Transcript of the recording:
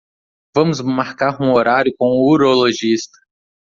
Vamos marcar um horário com o urologista